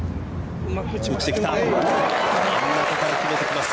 真ん中から決めてきます。